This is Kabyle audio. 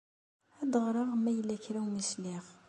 Ad d-ɣreɣ ma yella kra umi sliɣ.